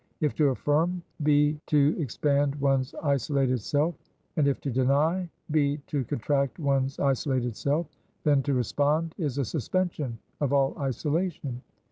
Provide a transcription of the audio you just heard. If to affirm, be to expand one's isolated self; and if to deny, be to contract one's isolated self; then to respond is a suspension of all isolation.